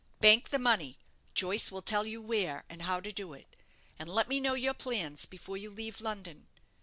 Bank the money; Joyce will tell you where, and how to do it; and let me know your plans before you leave London.